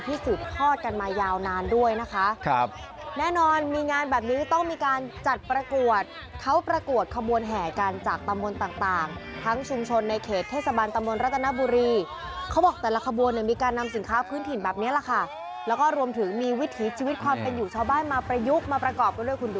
สืบทอดกันมายาวนานด้วยนะคะครับแน่นอนมีงานแบบนี้ต้องมีการจัดประกวดเขาประกวดขบวนแห่กันจากตำบลต่างต่างทั้งชุมชนในเขตเทศบาลตำบลรัตนบุรีเขาบอกแต่ละขบวนเนี่ยมีการนำสินค้าพื้นถิ่นแบบนี้แหละค่ะแล้วก็รวมถึงมีวิถีชีวิตความเป็นอยู่ชาวบ้านมาประยุกต์มาประกอบกันด้วยคุณ